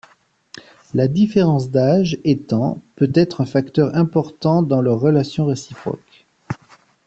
La différence d'âge étant peut être un facteur important dans leurs relations réciproques.